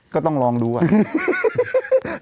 ก็ต้องลองดูอ่ะ